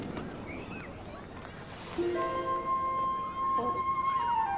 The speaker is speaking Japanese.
あっ。